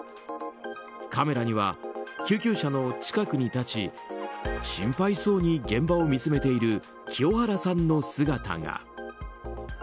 カメラには、救急車の近くに立ち心配そうに現場を見つめている清原さんの姿が。